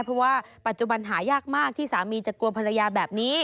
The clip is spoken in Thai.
เพราะว่าปัจจุบันหายากมากที่สามีจะกลัวภรรยาแบบนี้